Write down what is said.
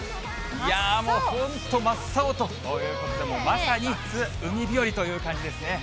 いやもう本当、真っ青ということで、まさに海日和という感じですね。